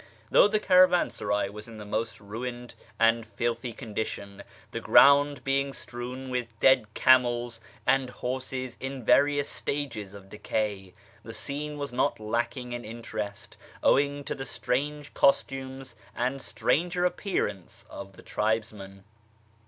Though the caravansaray was in the most ruined and filthy condition, the ground being strewn with dead camels and horses in various stages of decay, the scene was not lacking in interest owing to the strange costumes and stranger appearance of the tribesmen.